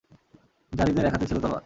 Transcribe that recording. যারীদের এক হাতে ছিল তলোয়ার।